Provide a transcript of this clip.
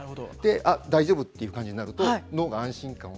大丈夫という感じになると脳が安心感を。